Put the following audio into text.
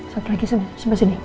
satu lagi simpan sini